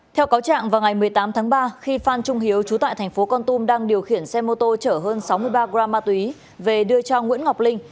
theo cáo trạng vào ngày một mươi tám tháng ba khi phan trung hiếu trú tại thành phố con tum đang điều khiển xe mô tô chở hơn sáu mươi ba gram ma túy về đưa cho nguyễn ngọc linh